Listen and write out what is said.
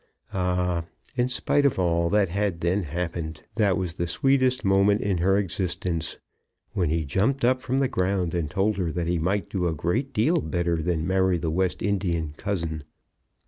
Ah, in spite of all that had then happened, that was the sweetest moment in her existence, when he jumped up from the ground and told her that he might do a great deal better than marry the West Indian cousin.